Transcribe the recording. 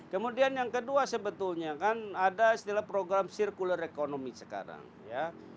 kemudian yang kedua sebetulnya kan ada istilah program circular economy sekarang ya